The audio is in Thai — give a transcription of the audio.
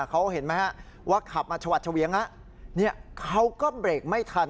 เขาเห็นไหมฮะว่าขับมาชวัดเฉวียงเขาก็เบรกไม่ทัน